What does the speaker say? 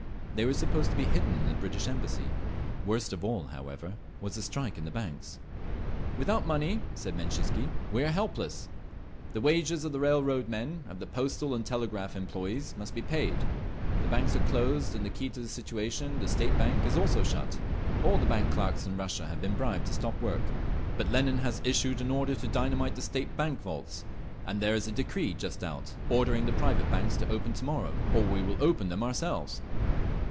They were supposed to be hidden in the British Embassy…. Worst of all, however, was the strike in the banks. "Without money," said Menzhinsky, "we are helpless. The wages of the railroad men, of the postal and telegraph employees, must be paid…. The banks are closed; and the key to the situation, the State Bank, is also shut. All the bank clerks in Russia have been bribed to stop work…. "But Lenin has issued an order to dynamite the State Bank vaults, and there is a Decree just out, ordering the private banks to open to morrow, or we will open them ourselves!"